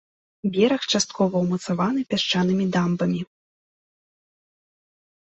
Бераг часткова ўмацаваны пясчанымі дамбамі.